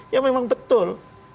ya memang betul